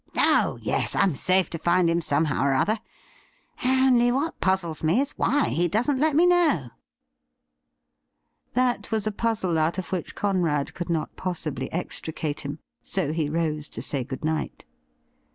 ' Oh yes ; I'm safe to find him somehow or other. Onl r what puzzles me is why he doesn't let me know.' That was a puzzle out of which Conrad could not possibly extricate him. So he rose to say good night.